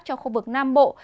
cho khu vực nam bộ